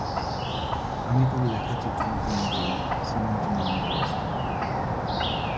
আমি তার লেখা চিত্রনাট্য অনুযায়ী সিনেমাটি নির্মাণ করেছি।